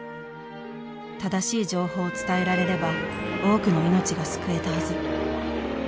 正しい情報を伝えられれば多くの命が救えたはず。